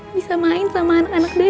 bisa main sama anak anak deh